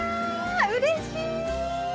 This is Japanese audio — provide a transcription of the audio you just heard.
うれしい！